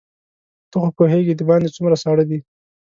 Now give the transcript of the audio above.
ته خو پوهېږې دباندې څومره ساړه دي.